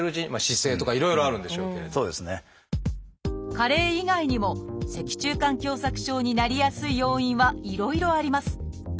加齢以外にも脊柱管狭窄症になりやすい要因はいろいろあります。